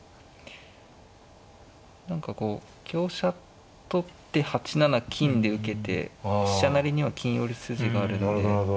何かこう香車取って８七金で受けて飛車成りには金寄る筋があるので。